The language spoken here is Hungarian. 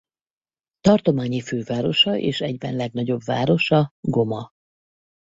Tartományi fővárosa és egyben legnagyobb városa Goma.